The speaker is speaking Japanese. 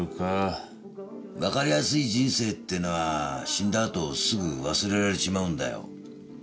わかりやすい人生ってのは死んだあとすぐ忘れられちまうんだよ。